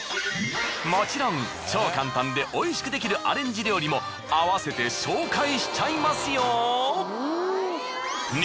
もちろん超簡単で美味しくできるアレンジ料理も併せて紹介しちゃいますよ。